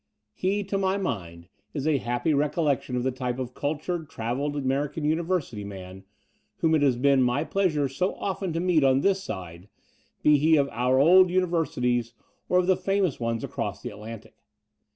He, to my mind, is a happy recollection of the type of cultured, travelled American University man, whom it has been my pleasure so often to meet on this side, be he of our old Universities or of the famous ones across the Atlantic.